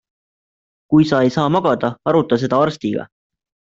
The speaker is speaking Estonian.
Kui sa ei saa magada, aruta seda arstiga.